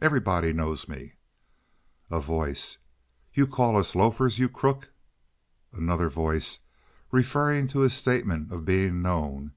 Everybody knows me." A Voice. "You call us loafers. You crook!" Another Voice (referring to his statement of being known).